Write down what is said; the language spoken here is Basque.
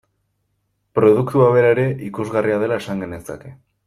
Produktua bera ere ikusgarria dela esan genezake.